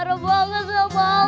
tiara marah banget sama aku